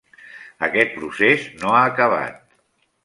Aquest procés no ha acabat.